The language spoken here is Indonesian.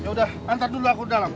yaudah antar dulu aku dalam